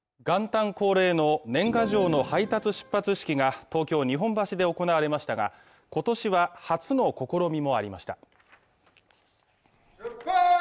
元旦恒例の年賀状の配達出発式が東京・日本橋で行われましたが、今年は初の試みもありました。